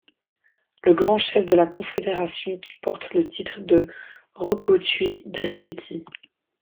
Le grand chef de la confédération qui porte le titre de Roko Tui Dreketi.